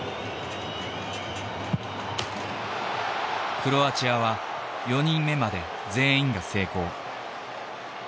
クロアチアは４人目まで全員が成功。